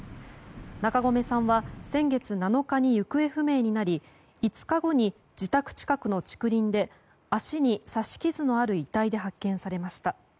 中込さんは先月７日に行方不明になり５日後に自宅近くの竹林で足に刺し傷のある遺体で発見されました。